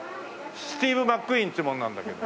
スティーブ・マックイーンっていう者なんだけど。